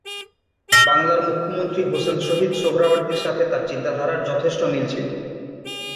বাংলার মুখ্যমন্ত্রী হোসেন শহীদ সোহরাওয়ার্দীর সাথে তার চিন্তাধারার যথেষ্ট মিল ছিল।